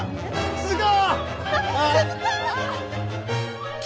鈴子！